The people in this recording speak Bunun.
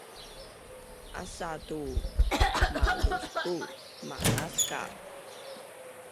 Asa tu malusbut manaskal